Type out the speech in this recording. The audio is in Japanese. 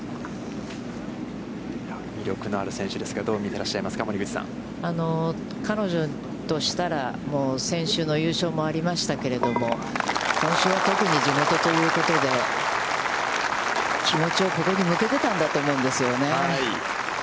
魅力のある選手ですけれども、どう見ていらっしゃいますか、森口さん。彼女としたら、先週の優勝もありましたけれども、今週、特に地元ということで、気持ちをここに向けていたと思うんですよね。